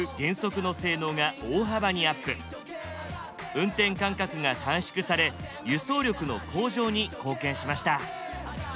運転間隔が短縮され輸送力の向上に貢献しました。